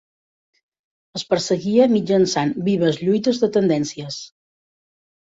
Es perseguia mitjançant vives lluites de tendències.